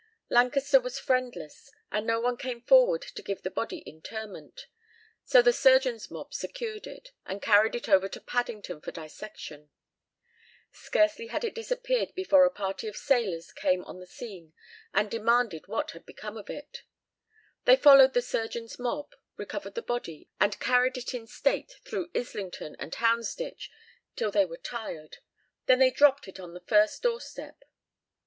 Lancaster was friendless, and no one came forward to give the body interment; so the "surgeon's mob" secured it, and carried it over to Paddington for dissection. Scarcely had it disappeared before a party of sailors came on the scene and demanded what had become of it. They followed the "surgeon's mob," recovered the body, and carried it in state through Islington and Hounsditch till they were tired. Then they dropped it upon the first doorstep.